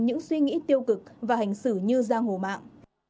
những suy nghĩ tiêu cực và hành xử như giang hồ mạng